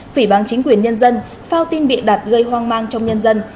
phỉ bằng chính quyền nhân dân phao tin bị đặt gây hoang mang trong nhân dân